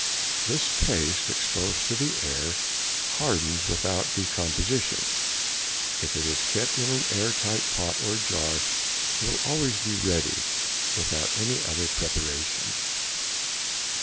This paste exposed to the air hardens without decomposition. If it is kept in an air tight pot or jar, it will be always ready, without any other preparation.